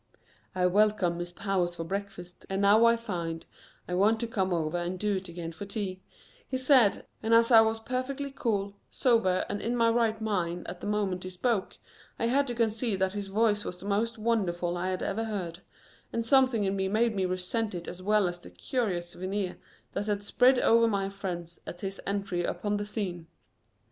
"I welcomed Miss Powers for breakfast, and now I find I want to come over and do it again for tea," he said, and as I was perfectly cool, sober and in my right mind at the moment he spoke, I had to concede that his voice was the most wonderful I had ever heard, and something in me made me resent it as well as the curious veneer that had spread over my friends at his entry upon the scene.